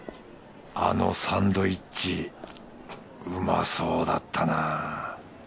あのサンドイッチうまそうだったな。